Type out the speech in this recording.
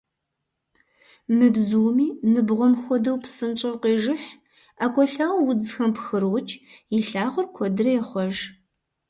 Мы бзуми, ныбгъуэм хуэдэу, псынщӀэу къежыхь, ӀэкӀуэлъакӀуэу удзхэм пхрокӀ, и лъагъуэр куэдрэ ехъуэж.